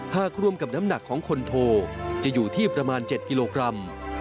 หากรวมกับน้ำหนักของคนโทจะอยู่ที่ประมาณ๗กิโลกรัม